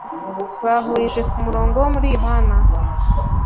bahurije ku murongo wo muri Yohana